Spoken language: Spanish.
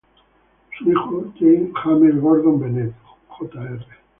Su hijo James Gordon Bennett, Jr.